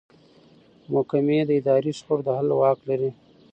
محکمې د اداري شخړو د حل واک لري.